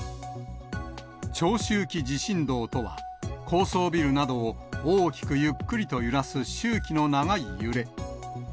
長周期地震動とは、高層ビルなどを大きくゆっくりと揺らす周期の長い揺れ。